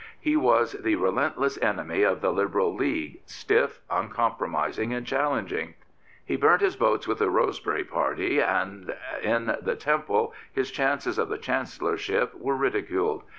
He was the relentless enemy of the Liberal League, stiff, uncom promising, and challenging. He burnt his boats with the Rosebery Party, and in the Temple his chances of the Chancellorship were ridiculed.